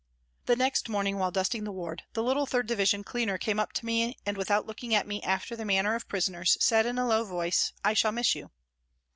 The next morning, while dusting the ward, the little 3rd Division cleaner came up to me and, without looking at me after the manner of prisoners, said in a low voice, " I shall miss you."